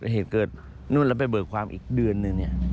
เหตุเกิดนู่นแล้วไปเบิกความอีกเดือนหนึ่งเนี่ย